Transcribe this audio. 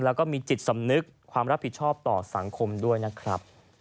แล้วก็มีจิตสำนึกความรับผิดชอบต่อสังคมด้วยนะครับ